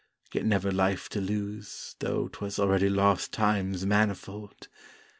Yet never Life to lose Though 'twas already lost times manifold!